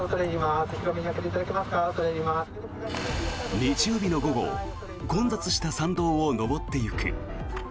日曜日の午後混雑した参道を登ってゆく。